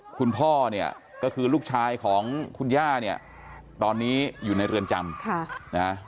คุณพ่อเนี่ยก็คือลูกชายของคุณย่าเนี่ยตอนนี้อยู่ในเรือนจำ